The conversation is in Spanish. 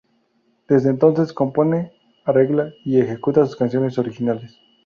Desde entonces compone, arregla y ejecuta sus canciones originales.